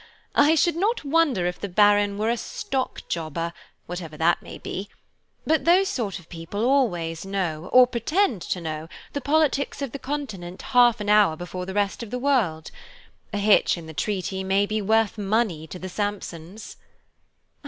I should not wonder if the Baron were a stock jobber, whatever that may be; but those sort of people always know, or pretend to know, the politics of the continent half an hour before the rest of the world. A hitch in the treaty may be worth money to the Sampsons."